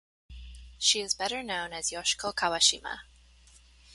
She is better known as Yoshiko Kawashima.